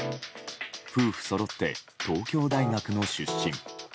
夫婦そろって東京大学の出身。